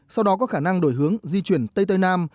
sau đó có khả năng đổi hướng di chuyển tây tây nam